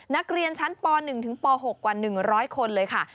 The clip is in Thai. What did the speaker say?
นักเรียนชั้นป๑ถึงป๖กว่า๑๐๐คนเลยค่ะ